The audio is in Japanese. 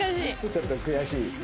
ちょっと悔しい。